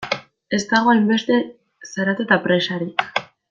Ez dago hainbeste zarata eta presarik.